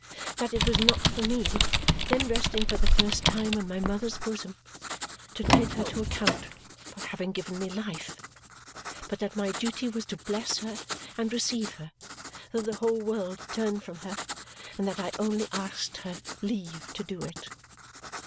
That it was not for me, then resting for the first time on my mother's bosom, to take her to account for having given me life, but that my duty was to bless her and receive her, though the whole world turned from her, and that I only asked her leave to do it.